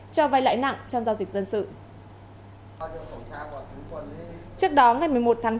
cho vay lãi nặng trong giao dịch dân sự